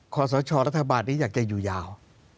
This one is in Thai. ขอสชรัฐบาลนี้อยากจะอยู่ยาว